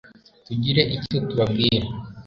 tugire icyo tubabwira